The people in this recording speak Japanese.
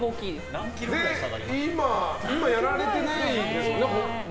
今やられてないですもんね